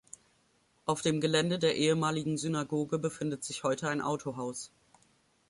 Auf dem Gelände der ehemaligen Synagoge befindet sich heute ein Autohaus.